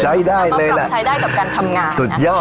ใช้ได้เลยแหละเอามาปรับใช้ได้กับการทำงานสุดยอดเลยแหละ